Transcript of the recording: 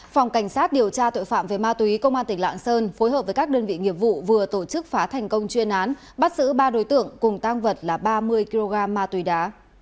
phòng cảnh sát điều tra tội phạm về ma túy công an tỉnh lạng sơn phối hợp với các đơn vị nghiệp vụ vừa tổ chức phá thành công chuyên án bắt giữ ba đối tượng cùng tang vật là ba mươi kg ma túy đá